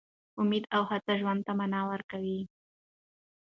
امید او هڅه ژوند ته مانا ورکوي.